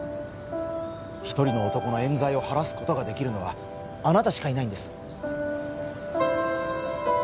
一人の男のえん罪を晴らすことができるのはあなたしかいないんです